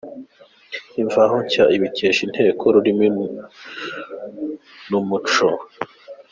Imvaho Nshya ibikesha Inteko Nyarwanda y’Ururimi n’Umuco.